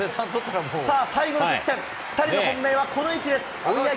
さあ、最後の直線、２人の本命は、この位置です。